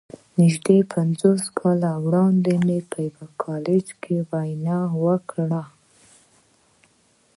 نږدې پينځلس کاله وړاندې مې په يوه کالج کې وينا وکړه.